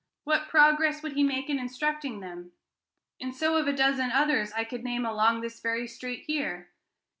What progress would he make in instructing them? And so of a dozen others I could name along this very street here.